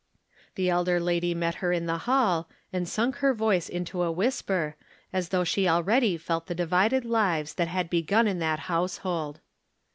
The elder lady met her in the hall, and sunk her voice into a whisper, as though she already felt the divided lives that had begun in that'household.